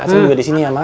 acing juga di sini ya mak